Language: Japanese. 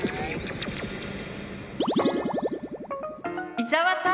伊沢さん！